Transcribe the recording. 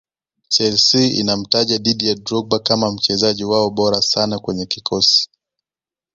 chelsea inamtaja didier drogba kama mchezaji wao bora sana kwenye kikosi